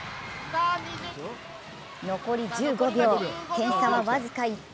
残り１５秒、点差は僅か１点。